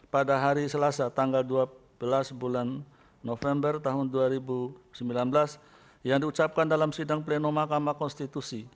pada hari selasa tanggal dua belas bulan november tahun dua ribu sembilan belas yang diucapkan dalam sidang pleno mahkamah konstitusi